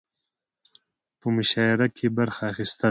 په مشاعره کې برخه اخستل